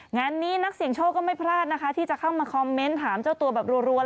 งานนี้นักเสี่ยงโชคก็ไม่พลาดนะคะที่จะเข้ามาคอมเมนต์ถามเจ้าตัวแบบรัว